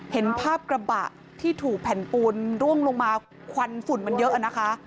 เห็นภาพกระบะที่ถูกแผ่นปูนร่วงลงมาควันฝุ่นมันเยอะนะคะ